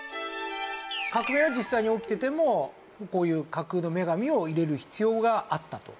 革命は実際に起きててもこういう架空の女神を入れる必要があったと。